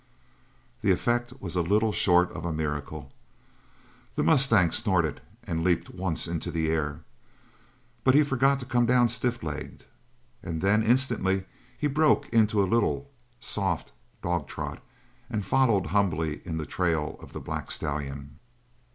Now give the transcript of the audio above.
The effect was a little short of a miracle. The mustang snorted and leaped once into the air, but he forgot to come down stiff legged, and then, instantly, he broke into a little, soft dog trot, and followed humbly in the trail of the black stallion.